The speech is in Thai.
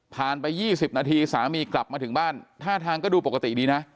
ไป๒๐นาทีสามีกลับมาถึงบ้านท่าทางก็ดูปกติดีนะ